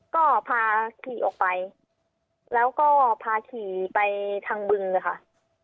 ก็พาขี่ออกไปแล้วก็พาขี่ไปทางบึงค่ะ